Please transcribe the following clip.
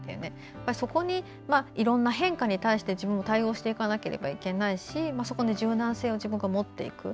その、いろんな変化に対して自分も対応していかなければいけないしそこに柔軟性を自分が持っていく。